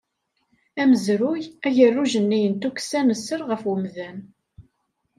Amezruy, agerruj-nni n tukksa n sser ɣef umdan.